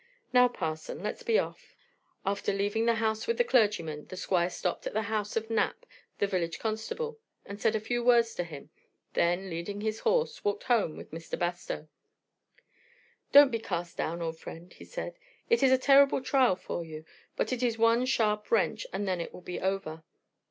Now, Parson, let's be off." After leaving the house with the clergyman, the Squire stopped at the house of Knapp, the village constable; and said a few words to him, then, leading his horse, walked home with Mr. Bastow. "Don't be cast down, old friend," he said. "It is a terrible trial to you; but it is one sharp wrench, and then it will be over.